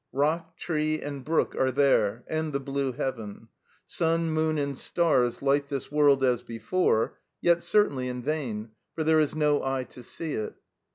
Rock, tree, and brook are there, and the blue heaven; sun, moon, and stars light this world, as before; yet certainly in vain, for there is no eye to see it.